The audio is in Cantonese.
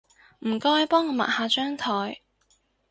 唔該幫我抹下張枱